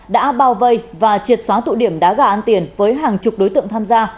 đã bao vây và triệt xóa tụ điểm đá gà ăn tiền với hàng chục đối tượng tham gia